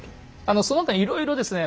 その他いろいろですね